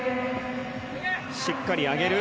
しっかり上げる。